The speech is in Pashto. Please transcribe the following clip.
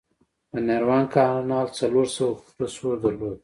د نهروان کانال څلور سوه فوټه سور درلود.